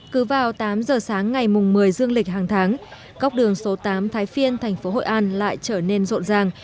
cứ vào tám giờ sáng ngày mùng một mươi dương lịch hàng tháng góc đường số tám thái phiên thành phố hội an lại trở nên rộn ràng